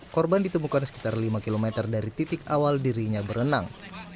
korban ditemukan sekitar lima km dari titik awal dirinya berenang